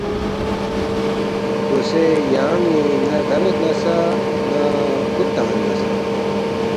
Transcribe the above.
دوسے یان٘ی ن٘ا ردبید نہ سہ ن٘ا فُود تان٘ید نہ سہ